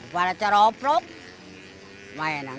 pada ceroprok mainan